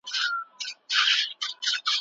سخت اسهال هم پیدا کېدای شي.